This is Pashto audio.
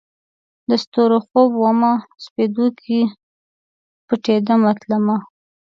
د ستورو خوب ومه، سپیدو کې پټېدمه تلمه